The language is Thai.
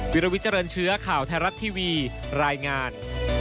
วิลวิเจริญเชื้อข่าวไทยรัฐทีวีรายงาน